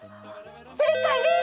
正解です！